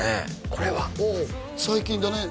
これはああ最近だね